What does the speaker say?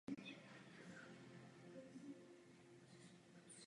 Tento titul se v té době stal statisticky nejpopulárnějším a nejúspěšnějším titulem.